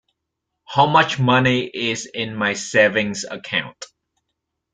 How much money is in my savings account?